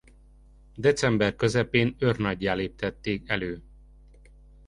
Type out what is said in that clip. December közepén őrnaggyá léptették elő.